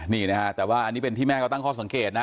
นี่นะฮะแต่ว่าอันนี้เป็นที่แม่ก็ตั้งข้อสังเกตนะ